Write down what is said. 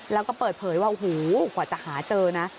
แล้วก็เปิดเผยว่าโอ้โหกว่าจะหาเจอนะ